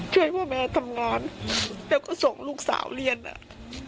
ช่วยพ่อแม่ทำงานแล้วก็ส่งลูกสาวเรียนอ่ะ